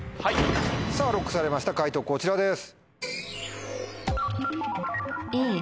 さぁＬＯＣＫされました解答こちらです。